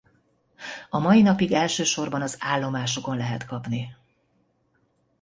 A mai napig elsősorban az állomásokon lehet kapni.